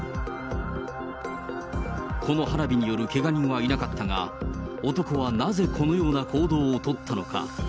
この花火によるけが人はいなかったが、男はなぜこのような行動を取ったのか。